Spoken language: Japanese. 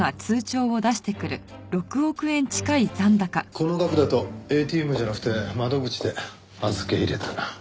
この額だとＡＴＭじゃなくて窓口で預け入れだな。